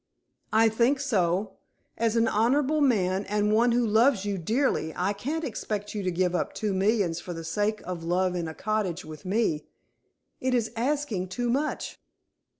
"I think so. As an honorable man, and one who loves you dearly, I can't expect you to give up two millions for the sake of love in a cottage with me. It is asking too much."